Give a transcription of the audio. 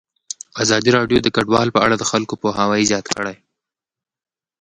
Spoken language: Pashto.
ازادي راډیو د کډوال په اړه د خلکو پوهاوی زیات کړی.